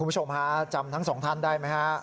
คุณผู้ชมฮะจำทั้งสองท่านได้ไหมฮะ